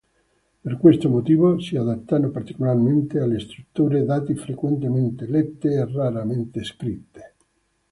Per questo motivo si adattano particolarmente alle strutture dati frequentemente lette e raramente scritte.